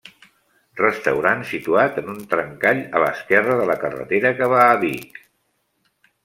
Restaurant situat en un trencall a l'esquerra de la carretera que va a Vic.